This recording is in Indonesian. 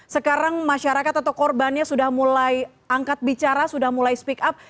sekarang masyarakat atau korbannya sudah mulai angkat bicara sudah mulai speak up